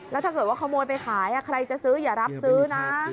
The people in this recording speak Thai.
แล้วถ้าเกิดว่าขโมยไปขายใครจะซื้ออย่ารับซื้อนะ